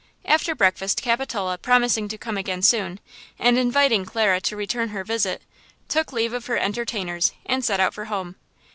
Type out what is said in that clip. After breakfast Capitola, promising to come again soon, and inviting Clara to return her visit, took leave of her entertainers and set out for home.